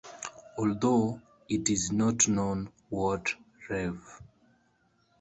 Although it is not known what Rev.